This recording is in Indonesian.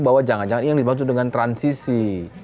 bahwa jangan jangan yang dimaksud dengan transisi